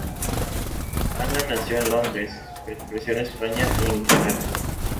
Ana nació en Londres, pero creció en España e Inglaterra.